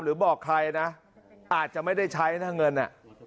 หรือบอกใครนะอาจจะไม่ได้ใช้นะเงิน